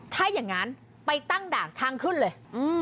ถ้าอย่างนั้นไปตั้งด่านทางขึ้นเลย